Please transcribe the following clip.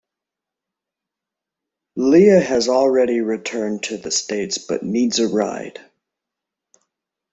Leah has already returned to the States but needs a ride.